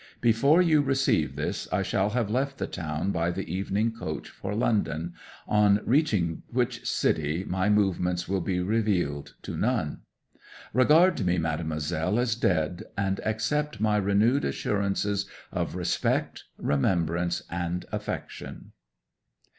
Before you receive this I shall have left the town by the evening coach for London, on reaching which city my movements will be revealed to none. "Regard me, Mademoiselle, as dead, and accept my renewed assurances of respect, remembrance, and affection."